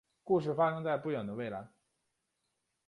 故事发生在不远的未来。